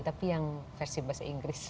tapi yang versi bahasa inggris